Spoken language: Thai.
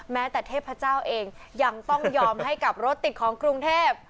แม้แต่เทพเจ้าเองยังต้องยอมให้กับรถติดของกรุงเทพ